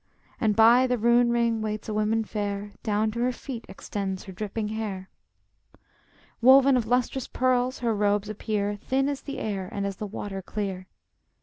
And by the rune ring waits a woman fair, Down to her feet extends her dripping hair. Woven of lustrous pearls her robes appear, Thin as the air and as the water clear.